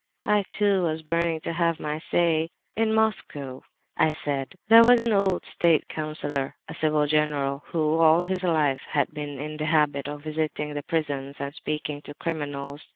"I, too, was burning to have my say! "'In Moscow,' I said, 'there was an old state counsellor, a civil general, who, all his life, had been in the habit of visiting the prisons and speaking to criminals.